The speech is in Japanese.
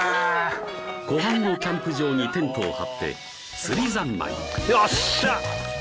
湖畔のキャンプ場にテントを張って釣り三昧よっしゃ！